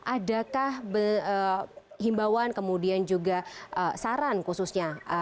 adakah himbauan kemudian juga saran khususnya